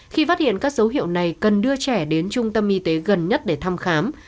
khi phát hiện các dấu hiệu này cần đưa trẻ đến trung tâm y tế gần nhất để thăm khám